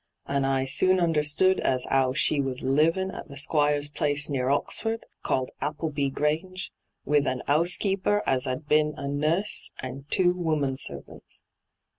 And I soon understood as 'ow she was living at the Squire's place near Oxford, called Appleby Grange, with an 'oasekeeper as 'ad been a nUBS, and two woman servants.